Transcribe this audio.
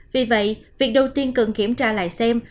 vì vậy việc đầu tiên cần kiểm tra lại xem